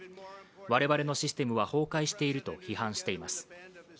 我々のシステムは崩壊していると批判しています。